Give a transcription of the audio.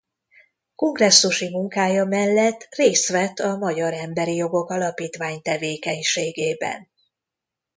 Kongresszusi munkája mellett részt vett a Magyar Emberi Jogok Alapítvány tevékenységében.